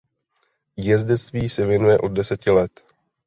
Jezdectví se věnuje od deseti let.